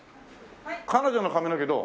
彼女の髪の毛どう？